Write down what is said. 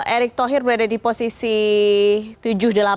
erik thohir berada di posisi tujuh puluh delapan ya